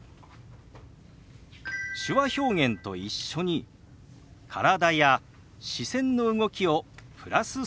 手話表現と一緒に体や視線の動きをプラスすることです。